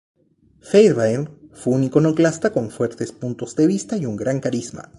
Fairbairn fue un iconoclasta con fuertes puntos de vista y un gran carisma.